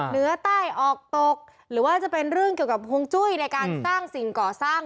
เหนือใต้ออกตกหรือว่าจะเป็นเรื่องเกี่ยวกับฮวงจุ้ยในการสร้างสิ่งก่อสร้าง